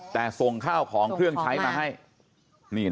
แต่ส่งข้าวของเครื่องใช้มาให้